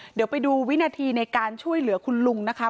เดี๋ยวไปดูวินาทีในการช่วยเหลือคุณลุงนะคะ